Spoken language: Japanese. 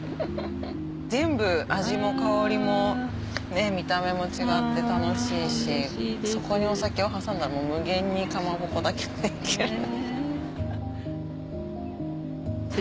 全部味も香りも見た目も違って楽しいしそこにお酒を挟んだら無限に蒲鉾だけでいける。